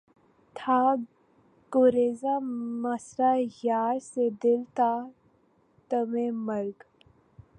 تھا گریزاں مژہٴ یار سے دل تا دمِ مرگ